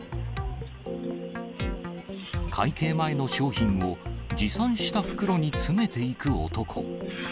会計前の商品を持参した袋に詰めていく男。